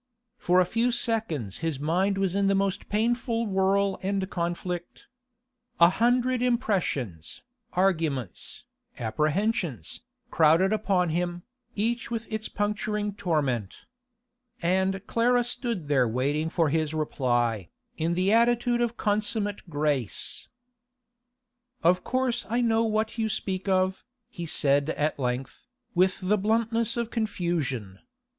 For a few seconds his mind was in the most painful whirl and conflict; a hundred impressions, arguments, apprehensions, crowded upon him, each with its puncturing torment. And Clara stood there waiting for his reply, in the attitude of consummate grace. 'Of course I know what you speak of,' he said at length, with the bluntness of confusion.